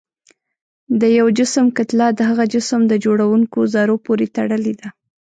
د یو جسم کتله د هغه جسم د جوړوونکو ذرو پورې تړلې ده.